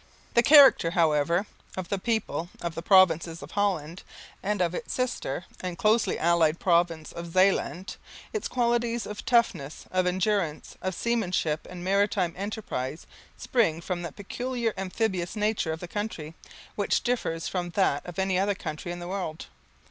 The character, however, of the people of the province of Holland, and of its sister and closely allied province of Zeeland, its qualities of toughness, of endurance, of seamanship and maritime enterprise, spring from the peculiar amphibious nature of the country, which differs from that of any other country in the world.